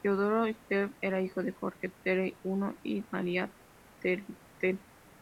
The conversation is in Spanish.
Teodoro Svetoslav era hijo de Jorge Terter I y María Terter.